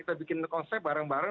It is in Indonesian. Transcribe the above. kita bikin konsep bareng bareng